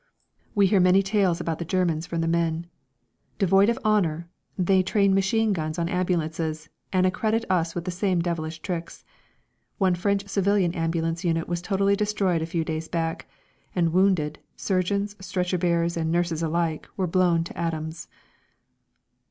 We hear many tales about the Germans from the men. Devoid of honour, they train machine guns on ambulances, and accredit us with the same devilish tricks. One French civilian ambulance unit was totally destroyed a few days back, and wounded, surgeons, stretcher bearers and nurses alike were blown to atoms.